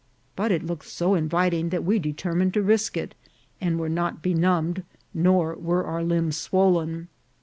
But it looked so inviting that we determined to risk it, and were not benumbed, nor were our limbs swollen.